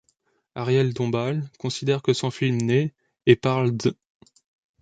Arielle Dombasle considère que son film n'est et parle d'.